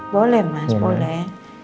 boleh mas boleh